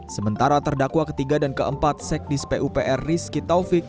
sementara terdakwa ketiga dan keempat sekdis pupr rizky taufik